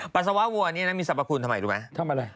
ปัสสาวะวัวนี่นะมีสรรพคุณทำไมรู้ไหมทำอะไร